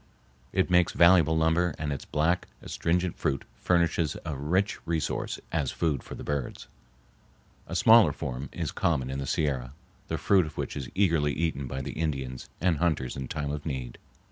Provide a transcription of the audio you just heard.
It makes valuable lumber and its black, astringent fruit furnishes a rich resource as food for the birds. A smaller form is common in the Sierra, the fruit of which is eagerly eaten by the Indians and hunters in time of need.